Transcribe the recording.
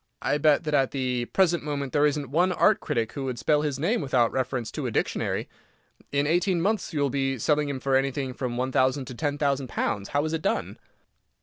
I bet that at the present moment there isn't one art critic who could spell his name without reference to a dictionary. In eighteen months you will be selling him for anything from one thousand to ten thousand pounds. How is it done?"